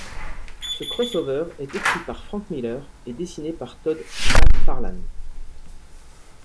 Ce crossover est écrit par Frank Miller et dessiné par Todd McFarlane.